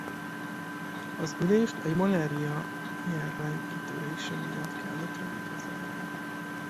Az ülést egy malária járvány kitörése miatt kellett rövidre zárni.